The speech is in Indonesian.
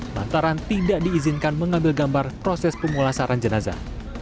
lantaran tidak diizinkan mengambil gambar proses pemulasaran jenazah